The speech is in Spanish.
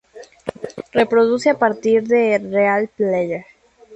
Reproduce a partir de Real player.